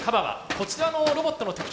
こちらのロボットの特徴